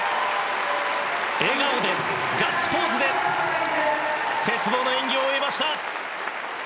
笑顔で、ガッツポーズで鉄棒の演技を終えました。